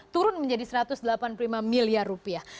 turun menjadi satu ratus delapan puluh lima miliar rupiah